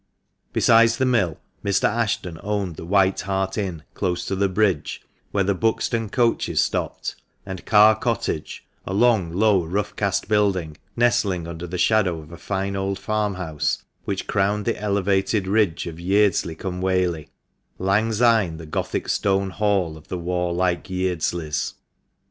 Besides the mill, Mr. Ashton owned the "White Hart" Inn, close to the bridge, where the Buxton coaches stopped ; and Carr Cottage, a long, low, rough cast building, nestling under the shadow of a fine old farmhouse which crowned the elevated ridge of Yeardsley cum Whaley, lang syne the Gothic stone Hall of the warlike Yeardsleys.